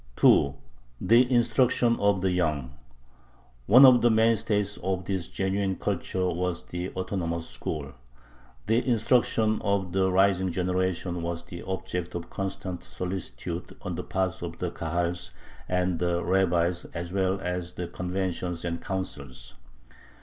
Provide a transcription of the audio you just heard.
2. THE INSTRUCTION OF THE YOUNG One of the mainstays of this genuine culture was the autonomous school. The instruction of the rising generation was the object of constant solicitude on the part of the Kahals and the rabbis as well as the conventions and Councils.